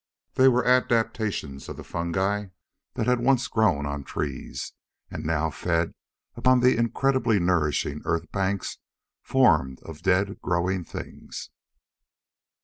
They were adaptations of the fungi that once had grown on trees and now fed upon the incredibly nourishing earth banks formed of dead growing things.